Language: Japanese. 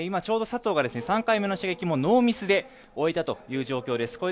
ちょうど佐藤が３回目の射撃ノーミスで終えたという状況です。